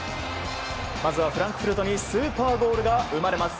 まずはフランクフルトにスーパーゴールが生まれます。